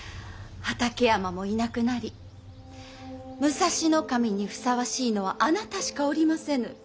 畠山もいなくなり武蔵守にふさわしいのはあなたしかおりませぬ。